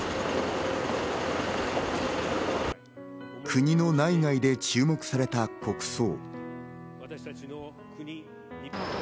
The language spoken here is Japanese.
国の内外で注目された国葬。